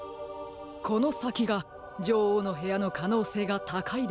このさきがじょおうのへやのかのうせいがたかいでしょう。